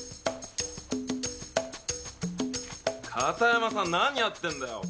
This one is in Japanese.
片山さん何やってんだよ。